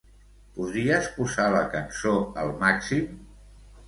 Podries posar la cançó al màxim?